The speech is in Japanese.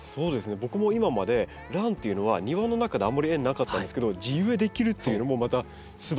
僕も今までランというのは庭の中であまり縁なかったんですけど地植えできるっていうのもまたすばらしいなと思って。